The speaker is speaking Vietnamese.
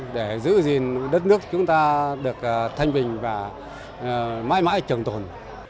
để giữ gìn đất nước chúng ta được thanh bình và mãi mãi trường tồn